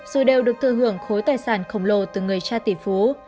dù đều được thừa hưởng khối tài sản khổng lồ từ người cha tỷ phú